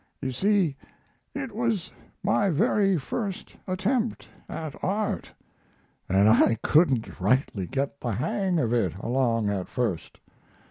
You see, it was my very first attempt at art, and I couldn't rightly get the hang of it along at first.